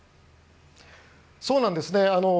そうなんですね。